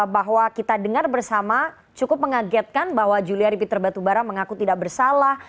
bahwa kita dengar bersama cukup mengagetkan bahwa juliari peter batubara mengaku tidak bersalah